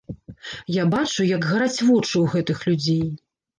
Я бачу, як гараць вочы ў гэтых людзей.